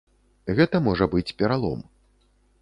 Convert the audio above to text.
Гэта можа быць пералом.